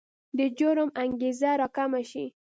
د جرم انګېزه راکمه شي.